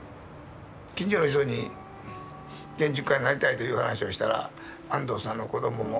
近所の人に建築家になりたいという話をしたら安藤さんの子どもも頭がおかしくなったねと。